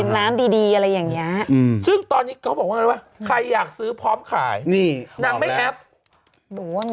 แน่นอนแล้ว